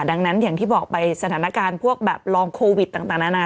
ดังนั้นอย่างที่บอกไปสถานการณ์พวกแบบลองโควิดต่างนานา